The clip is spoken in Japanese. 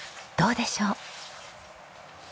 どうでしょう？